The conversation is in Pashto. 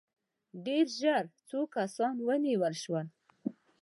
ډېر ژر څو کسان ونیول شول.